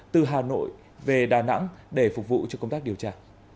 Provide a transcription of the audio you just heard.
từ hà nội về đà nẵng để phục vụ cho công tác điều tra